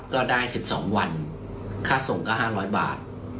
ก็ได้สิบสองวันค่าส่งก็ห้าร้อยบาท